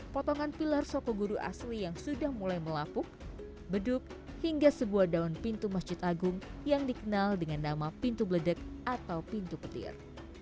potongan pilar sokoguru asli yang sudah mulai melapuk beduk hingga sebuah daun pintu masjid agung yang dikenal dengan nama pintu bledek atau pintu petir